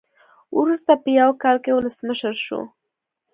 وروسته په یو کال کې ولسمشر شو.